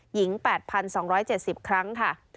หญิง๘๒๗๐ครั้งค่ะ